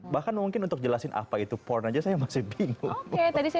bahkan mungkin untuk jelasin apa itu porn aja saya masih bingung